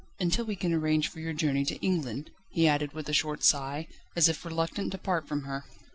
"Until we can arrange for your journey to England," he added with a short sigh, as if reluctant to part from her.